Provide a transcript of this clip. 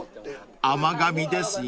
甘がみですよ］